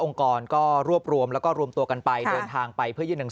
องค์กรก็รวบรวมแล้วก็รวมตัวกันไปทางไปเพื่อยืนหนัง